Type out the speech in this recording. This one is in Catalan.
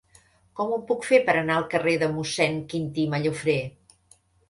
Com ho puc fer per anar al carrer de Mossèn Quintí Mallofrè?